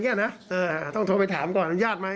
เพราะอะไรที่คุณแม่ห้ามผมก็ไม่ทำ